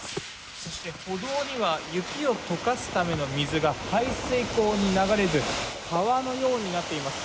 そして、歩道には雪を解かすための水が排水溝に流れず川のようになっています。